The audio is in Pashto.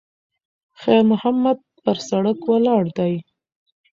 خیر محمد پر سړک ولاړ دی.